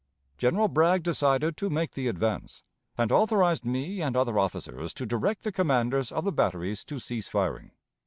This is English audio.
General Bragg decided to make the advance, and authorized me and other officers to direct the commanders of the batteries to cease firing.